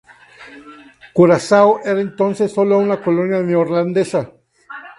Curazao era entonces solo una colonia neerlandesa.